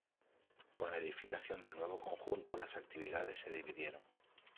Con la edificación del nuevo conjunto las actividades se dividieron.